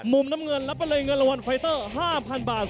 มุมน้ำเงินรับไปเลยเงินรางวัลไฟเตอร์๕๐๐๐บาท